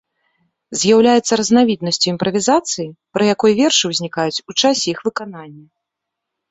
З'яўляецца разнавіднасцю імправізацыі, пры якой вершы ўзнікаюць у часе іх выканання.